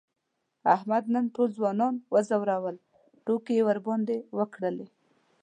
احمد نن ټول ځوانان و ځورول، ټوکې یې ورباندې وکړلې.